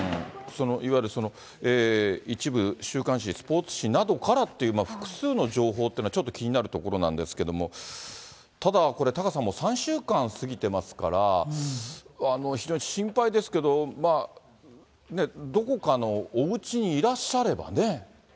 いわゆる一部週刊誌、スポーツ紙などからという、複数の情報っていうのは、ちょっと気になるところなんですけれども、ただこれ、タカさん、もう３週間過ぎてますから、非常に心配ですけれども、どこかのおうちにいらっしゃればね。